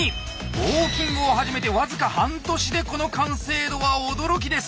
ウォーキングを始めて僅か半年でこの完成度は驚きです。